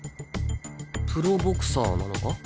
プロボクサーなのか？